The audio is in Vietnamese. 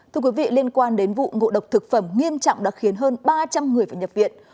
thưa quý vị liên quan đến vụ ngộ độc thực phẩm nghiêm trọng đã khiến hơn ba trăm linh người phải nhập viện